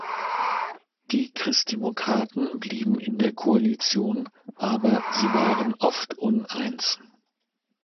Die Christdemokraten blieben in der Koalition, aber sie waren oft uneins.